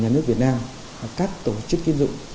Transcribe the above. nhà nước việt nam và các tổ chức kinh dụng